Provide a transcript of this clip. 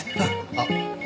あっ。